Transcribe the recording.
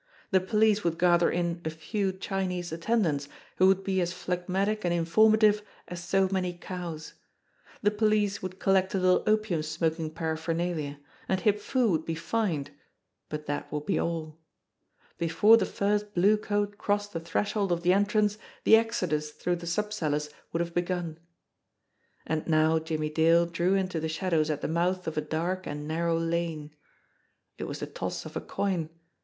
The police would gather in a few Chinese attend ants who would be as phlegmatic and informative as so many cows ; the police would collect a little opium smoking paraphernalia, and Hip Foo would be fined but that would be all. Before the first blue coat crossed the threshold of the entrance, the exodus through the sub cellars would have begun. And now Jimmie Dale drew into the shadows at the mouth of a dark and narrow lane. It was the toss of a coin.